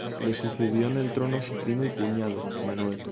Le sucedió en el trono su primo y cuñado, Manuel.